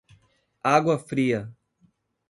Água Fria